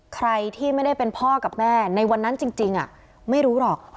ใครที่ไม่ได้เป็นพ่อกับแม่ในวันนั้นจริงไม่รู้หรอก